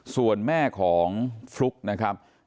ส่วนแม่ของฟลุ๊กนะครับ